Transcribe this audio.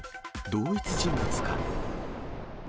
同一人物か？